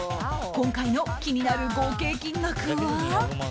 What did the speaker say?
今回の気になる合計金額は？